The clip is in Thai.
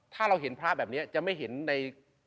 ถ้าเราเห็นพระแบบนี้จะไม่เห็นใน